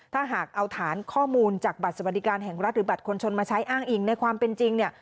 ถ้าหากเอาฐานข้อมูลจากบัตรสวัสดิการแห่งรัฐหรือบัตรคนชนมาใช้อ้างอิงในความเป็นจริงเนี่ย